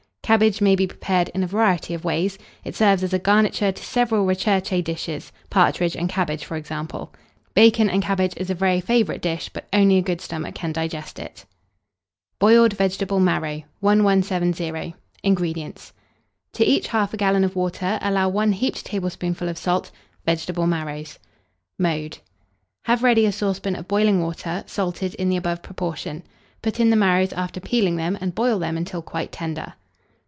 Cabbage may be prepared in a variety of ways: it serves as a garniture to several recherché dishes, partridge and cabbage for example. Bacon and cabbage is a very favourite dish; but only a good stomach can digest it. BOILED VEGETABLE MARROW. 1170. INGREDIENTS. To each 1/2 gallon of water, allow 1 heaped tablespoonful of salt; vegetable marrows. [Illustration: VEGETABLE MARROW ON TOAST.] Mode. Have ready a saucepan of boiling water, salted in the above proportion; put in the marrows after peeling them, and boil them until quite tender.